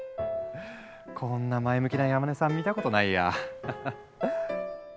こんな前向きな山根さん見たことないや。